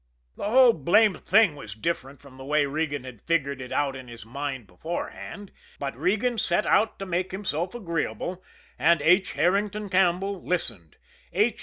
The whole blamed thing was different from the way Regan had figured it out in his mind beforehand; but Regan set out to make himself agreeable and H. Herrington Campbell listened. H.